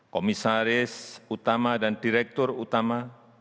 komisaris utama dan direktur utama